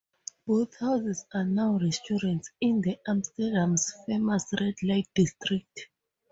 Both houses are now restaurants in Amsterdam's famous red light district.